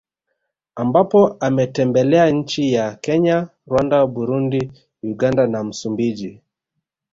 Ambapo ametembelea nchi za Kenya Rwanda Burundi Uganda na Msumbiji